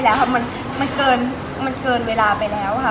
เดี๋ยวว่ามันก็ไม่ใช่แล้วค่ะมันเกินเวลาไปแล้วค่ะ